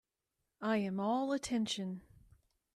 I am all attention.